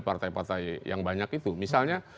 partai partai yang banyak itu misalnya